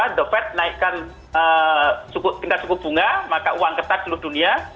the fed naikkan tingkat suku bunga maka uang ketat seluruh dunia